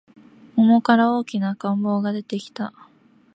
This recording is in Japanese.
桃から大きな赤ん坊が出てきた